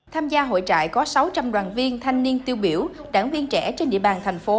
tham gia hội trại có sáu trăm linh đoàn viên thanh niên tiêu biểu đảng viên trẻ trên địa bàn thành phố